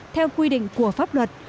theo quy định của pháp luật